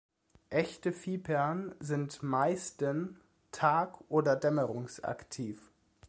Echte Vipern sind meisten tag- oder dämmerungsaktiv.